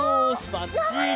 ばっちり！